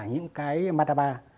những cái mandapa